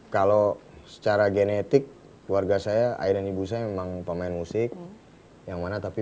kalau secara genetik keluarga saya ayah dan ibu saya memang pemain musik yang mana tapi